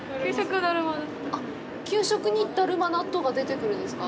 給食に、だるま納豆が出てくるんですか。